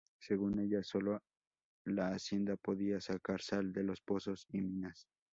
Según ellas, solo la hacienda podía sacar sal de los pozos y minas.